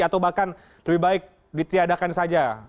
atau bahkan lebih baik ditiadakan saja